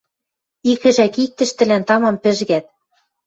Икӹжӓк-иктӹштӹлӓн тамам пӹжгӓт.